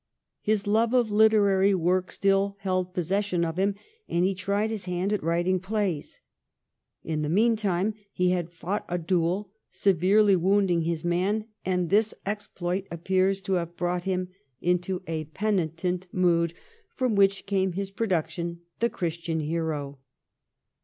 His love of literarv work still held possession of him, and he tried his hand at writing plays. In the meantime he had fought a duel, severely wounding his man ; and this exploit appears to have brought him into a penitent 170 THE REIGN OF QUEEN ANNE. ch. xxix. mood from which came his production ' The Christian Hero.'